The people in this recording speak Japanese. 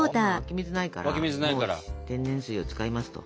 今湧き水ないから天然水を使いますと。